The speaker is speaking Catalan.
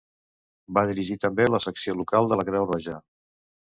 Va dirigir també la secció local de la Creu Roja.